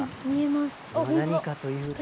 何かというと。